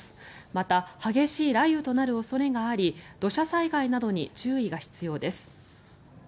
また激しい雷雨となる恐れがあり土砂災害などに注意が必要です。